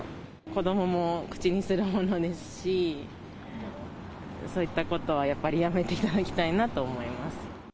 子どもも口にするものですし、そういったことはやっぱりやめていただきたいなと思います。